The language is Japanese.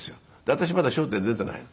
私まだ『笑点』出ていないの。